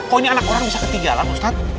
kok ini anak orang bisa ketinggalan ustadz